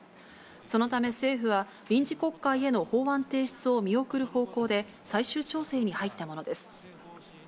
そのため政府は、臨時国会への法案提出を見送る方向で、最終調整に入ったものです。